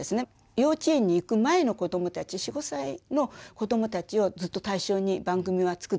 幼稚園に行く前のこどもたち４５歳のこどもたちをずっと対象に番組は作ってきてたんですね。